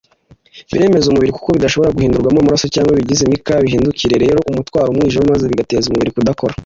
biremereza umubiri; kuko bidashobora guhindurwamo amaraso cyangwa ibigize imikaya, bihindukira rero umutwaro umwijima, maze bigateza umubiri kudakora